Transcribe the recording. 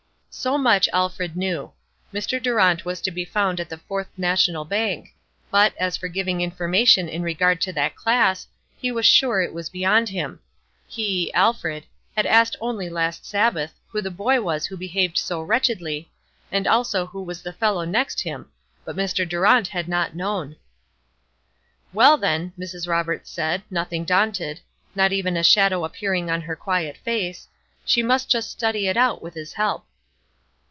So much Alfred knew. Mr. Durant was to be found at the Fourth National Bank; but, as for giving information in regard to that class, he was sure it was beyond him. He (Alfred) had asked only last Sabbath who the boy was who behaved so wretchedly, and also who was the fellow next him, but Mr. Durant had not known. Well, then, Mrs. Roberts said, nothing daunted, not even a shadow appearing on her quiet face, she must just study it out with his help.